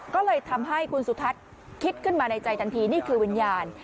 ก็เลยทำให้คุณสุทัศน์คิดขึ้นมาในใจทันทีนี่คือวิญญาณ